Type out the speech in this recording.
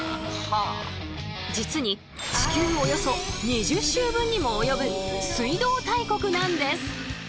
実に地球およそ２０周分にも及ぶ水道大国なんです。